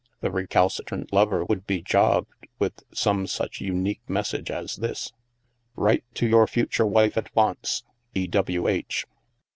The recalcitrant lover would be jogged with some such unique message as this: " Write to your future wife at once. " E. W. H."